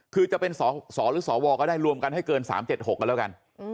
คือจะเป็นสสหรือสวก็ได้รวมกันให้เกิน๓๗๖กันแล้วกัน